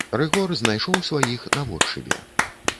Рыгор знайшоў сваіх наводшыбе.